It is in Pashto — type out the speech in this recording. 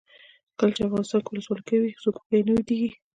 کله چې افغانستان کې ولسواکي وي څوک وږی نه ویدېږي.